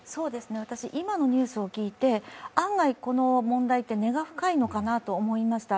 私、今のニュースを聞いて、案外、この問題って根が深いのかなと思いました。